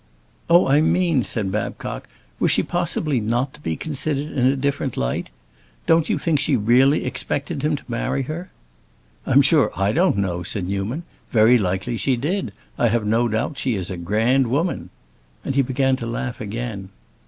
"Oh, I mean," said Babcock, "was she possibly not to be considered in a different light? Don't you think she really expected him to marry her?" "I am sure I don't know," said Newman. "Very likely she did; I have no doubt she is a grand woman." And he began to laugh again.